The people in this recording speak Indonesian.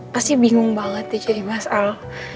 pasti bingung banget nih jadi mas al